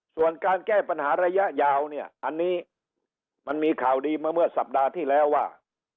ส่วนการแก้ปัญหาระยะยาวเนี่ยอันนี้มันมีข่าวดีเมื่อสัปดาห์ที่แล้วว่า